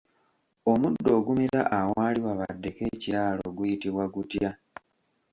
Omuddo ogumera awaali wabaddeko ekiraalo guyitibwa gutya ?